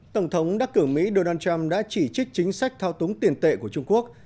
tổng thống đắc cử mỹ donald trump đã chỉ trích chính sách thao túng tiền tệ của trung quốc